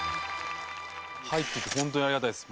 入ってて本当にありがたいです。